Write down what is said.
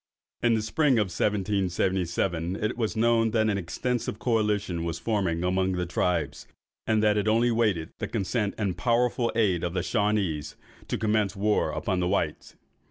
In the spring of 1777, it was known that an extensive coalition was forming among the tribes, and that it only waited the consent and powerful aid of the Shawanees, to commence war upon the whites.